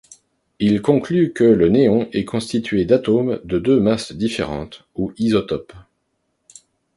Il conclut que le néon est constitué d'atomes de deux masses différentes ou isotopes.